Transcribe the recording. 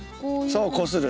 そうこする。